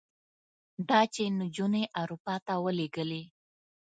ده چې نجونې اروپا ته ولېږلې.